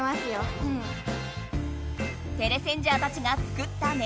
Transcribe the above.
テレセンジャーたちが作ったね